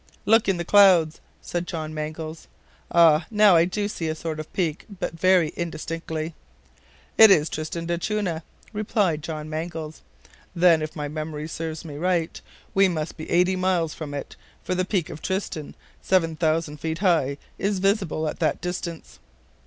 "Look in the clouds," said John Mangles. "Ah, now I do see a sort of peak, but very indistinctly." "It is Tristan d'Acunha," replied John Mangles. "Then, if my memory serves me right, we must be eighty miles from it, for the peak of Tristan, seven thousand feet high, is visible at that distance."